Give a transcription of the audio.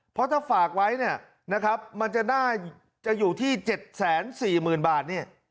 เพราะถ้าฝากไว้มันจะได้จะอยู่ที่๗๔๐๐๐๐บาท